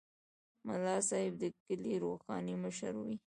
ملا صاحب د کلي روحاني مشر وي.